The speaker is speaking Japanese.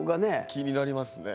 気になりますね。